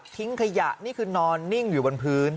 ขยะนี่คือนอนนิ่งอยู่บนพื้น